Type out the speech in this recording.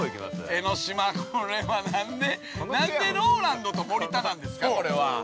◆江の島、これは、なんでなんでＲＯＬＡＮＤと森田なんですか、これは。